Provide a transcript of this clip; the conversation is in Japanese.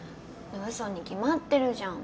うそに決まってるじゃん！